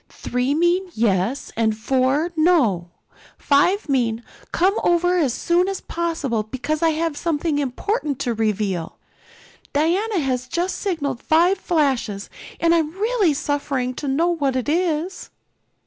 Three mean 'yes' and four 'no.' Five mean, 'Come over as soon as possible, because I have something important to reveal.' Diana has just signaled five flashes, and I'm really suffering to know what it is."